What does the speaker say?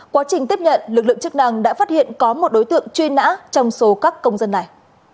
quá trình tiếp nhận lực lượng chức năng đã phát hiện có một đối tượng truy nã trong số các công dân này